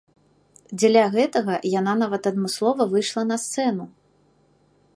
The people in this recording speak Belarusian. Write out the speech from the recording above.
Дзеля гэтага яна нават адмыслова выйшла на сцэну.